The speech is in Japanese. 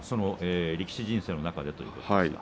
力士人生の中でということですか。